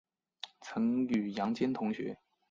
曾与杨坚同学。